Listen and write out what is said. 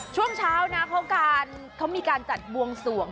ช่วงเช้านะเขามีการจัดบวงสวง